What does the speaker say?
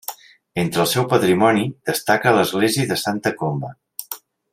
Entre el seu patrimoni destaca l'església de Santa Comba.